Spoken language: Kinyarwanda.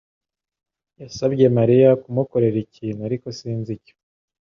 yasabye Mariya kumukorera ikintu, ariko sinzi icyo.